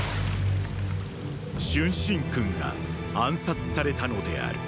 春申君が暗殺されたのである。